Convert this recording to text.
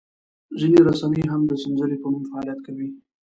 ځینې رسنۍ هم د سنځلې په نوم فعالیت کوي.